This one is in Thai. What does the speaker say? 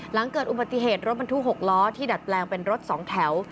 หลังเกิดอุบัติเหตุรถบรรทุก๖ล้อที่ดัดแปลงเป็นรถสองแถว